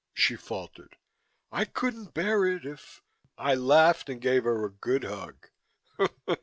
she faltered. "I couldn't bear it if " I laughed and gave her a good hug.